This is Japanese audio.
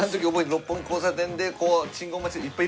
六本木交差点で信号待ちでいっぱいいるでしょ。